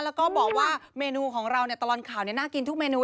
แล้วก็บอกว่าเมนูของเราตลอดข่าวน่ากินทุกเมนู